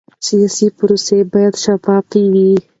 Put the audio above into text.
سیاسي پروسه باید شفافه وي